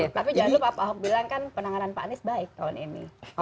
tapi jangan lupa pak ahok bilang kan penanganan pak anies baik tahun ini